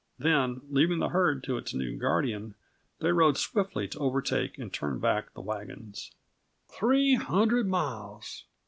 Then, leaving the herd to its new guardian they rode swiftly to overtake and turn back the wagons. "Three hundred miles!